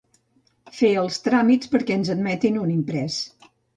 Fer els tràmits perquè ens admetin un imprès.